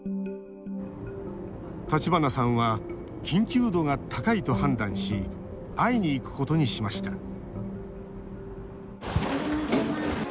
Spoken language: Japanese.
橘さんは緊急度が高いと判断し会いに行くことにしました